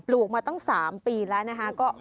ลูกมาตั้ง๓ปีแล้วนะคะ